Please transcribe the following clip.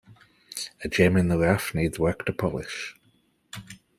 A gem in the rough needs work to polish.